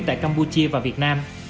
tại cambodia và việt nam